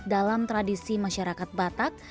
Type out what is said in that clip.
dalam tradisi masyarakat batak